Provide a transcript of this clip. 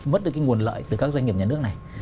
mất được cái nguồn lợi từ các doanh nghiệp nhà nước này